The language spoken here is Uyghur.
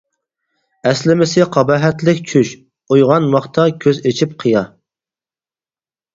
ئەسلىمىسى قاباھەتلىك چۈش، ئويغانماقتا كۆز ئېچىپ قىيا.